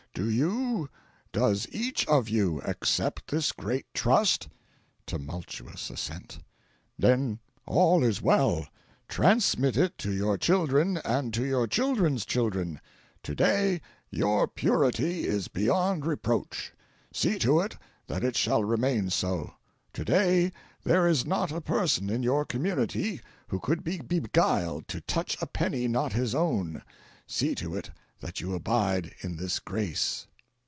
Do you does each of you accept this great trust? (Tumultuous assent.) Then all is well. Transmit it to your children and to your children's children. To day your purity is beyond reproach see to it that it shall remain so. To day there is not a person in your community who could be beguiled to touch a penny not his own see to it that you abide in this grace.